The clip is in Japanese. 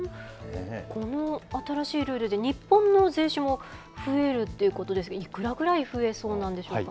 この新しいルールで日本の税収も増えるということですが、いくらぐらい増えそうなんでしょうか。